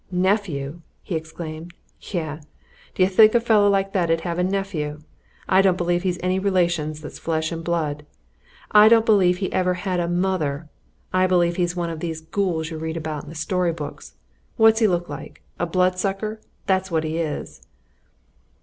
"Nephew!" he exclaimed. "Yah! d'ye think a fellow like that 'ud have a nephew? I don't believe he's any relations that's flesh and blood! I don't believe he ever had a mother! I believe he's one of these ghouls you read about in the story books what's he look like? A bloodsucker! that's what he is!"